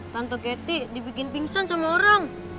tante ketik dibikin pingsan sama orang